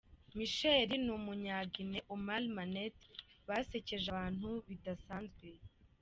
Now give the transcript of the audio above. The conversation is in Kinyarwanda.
Michael n'umunya Guinee, Oumar Manet basekeje abantu bidasanzwe.